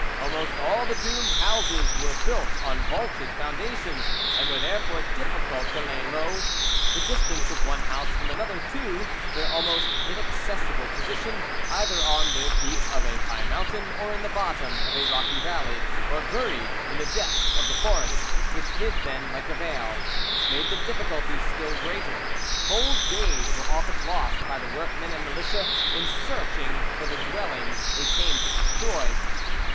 Almost all the doomed houses were built on vaulted foundations, and were therefore difficult to lay low; the distance of one house from another, too, their almost inaccessible position, either on the peak of a high mountain or in the bottom of a rocky valley, or buried in the depths of the forest which hid then like a veil, made the difficulty still greater; whole days were often lost by the workmen and militia in searching for the dwellings they came to destroy.